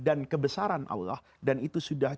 dan kebesaran allah dan itu sudah